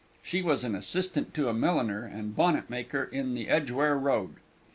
She was an assistant to a milliner and bonnet maker in the Edgware Road.